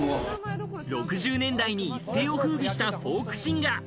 ６０年代に一世を風靡したフォークシンガー。